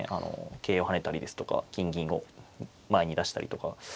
桂を跳ねたりですとか金銀を前に出したりとか。